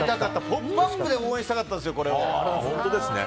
「ポップＵＰ！」で応援したかったんですよ。